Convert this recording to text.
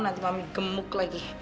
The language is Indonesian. nanti mami gemuk lagi